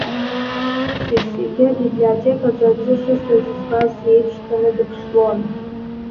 Шьасиагьы абиблиотекаҿы аӡы шыцәаз избаз иеиԥш дтәаны дыԥшлон.